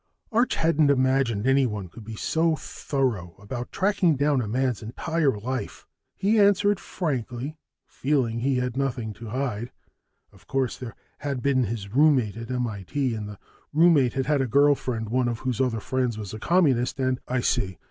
Arch hadn't imagined anyone could be so thorough about tracking down a man's entire life. He answered frankly, feeling he had nothing to hide. Of course, there had been his roommate at M.I.T., and the roommate had had a girl friend one of whose other friends was a Communist, and... "I see.